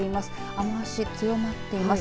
雨足、強まっています。